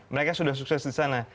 mereka sudah sukses di sana